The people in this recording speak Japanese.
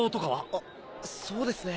あそうですね。